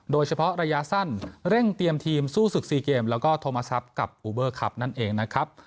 โดยเฉพาะระยะสั้นเร่งเตรียมทีมสู้ศึก๔เกมแล้วก็โทรมาทรัพย์กับอูเบอร์คลับนั่นเองนะครับ